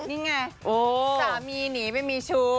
นี่ไงสามีหนีไปมีชู้